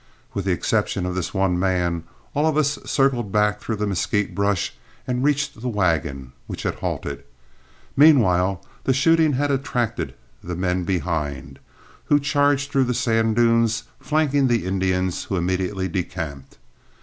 With the exception of this one man, all of us circled back through the mesquite brush and reached the wagon, which had halted. Meanwhile the shooting had attracted the men behind, who charged through the sand dunes, flanking the Indians, who immediately decamped.